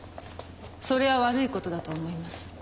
それは悪い事だと思います。